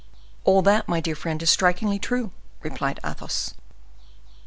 "All that, my dear friend, is strikingly true," replied Athos.